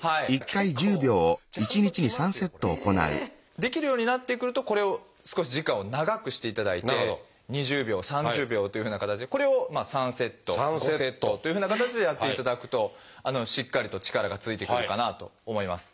できるようになってくるとこれを少し時間を長くしていただいて２０秒３０秒というふうな形でこれを３セット５セットというふうな形でやっていただくとしっかりと力がついてくるかなと思います。